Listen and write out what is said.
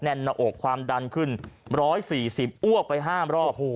หน้าอกความดันขึ้น๑๔๐อ้วกไป๕รอบ